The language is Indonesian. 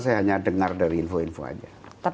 saya hanya dengar dari info info aja